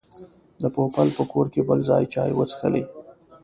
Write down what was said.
د پوپل په کور کې بل ځل چای وڅښلې.